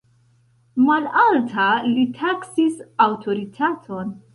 Malalta li taksis aŭtoritaton.